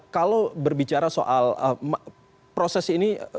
kalau berbicara soal proses ini